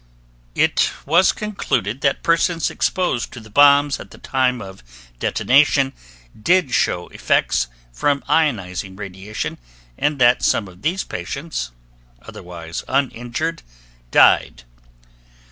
It was concluded that persons exposed to the bombs at the time of detonation did show effects from ionizing radiation and that some of these patients, otherwise uninjured, died.